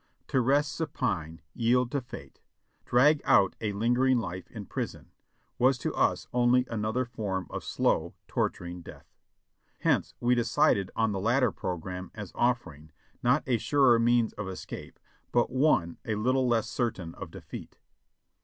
To rest supine, yield to fate — drag out a lingering life in prison, was to us only another form of slow, torturing death ; hence we decided on the latter program as offering, not a surer means of escape, but one a little less certain of defeat.